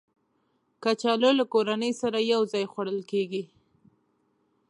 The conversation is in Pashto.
کچالو له کورنۍ سره یو ځای خوړل کېږي